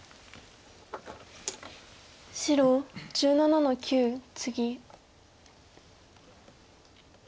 白１７の九ツギ。